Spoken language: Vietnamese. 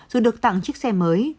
dù được tặng chiếc xe mới